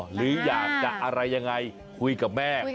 หรืออยากจะอะไรยังไงคุยกับแม่